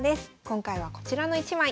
今回はこちらの一枚。